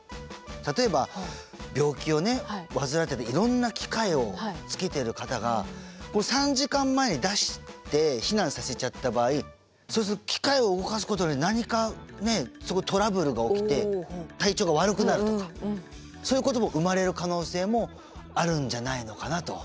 例えば病気を患ってていろんな機械をつけてる方が３時間前に出して避難させちゃった場合そうすると機械を動かすことで何かトラブルが起きて体調が悪くなるとかそういうことも生まれる可能性もあるんじゃないのかなと。